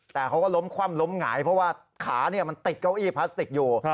แต่เขาก็ล้มคว่ำล้มหงายเพราะว่าขามันติดเก้าอี้พลาสติกอยู่